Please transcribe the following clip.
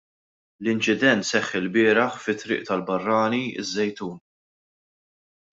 L-inċident seħħ ilbieraħ fi Triq tal-Barrani, iż-Żejtun.